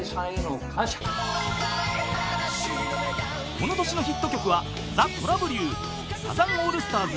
［この年のヒット曲はＴＨＥ虎舞竜サザンオールスターズ